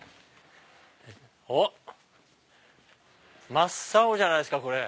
真っ青じゃないですかこれ。